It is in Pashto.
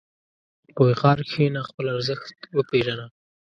په وقار کښېنه، خپل ارزښت وپېژنه.